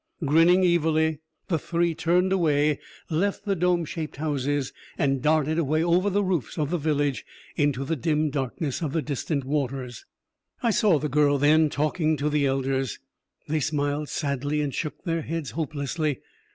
Grinning evilly, the three turned away, left the dome shaped house, and darted away over the roofs of the village into the dim darkness of the distant waters. I saw the girl, then, talking to the elders. They smiled sadly, and shook their heads hopelessly.